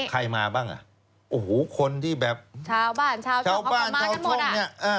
ใครมาบ้างอ่ะคนที่แบบชาวบ้านชาวช่องเขามากั้นหมดอ่ะ